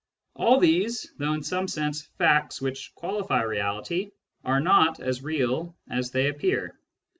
All these, though in some sense facts which qualify reality, are not real as they appear.